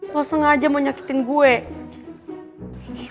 kok sengaja mau nyakitin gue